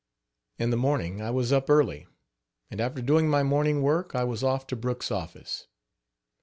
" In the morning I was up early, and after doing my morning work I was off to Brooks' office.